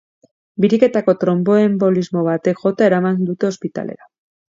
Biriketako tronboenbolismo batek jota eraman dute ospitalera.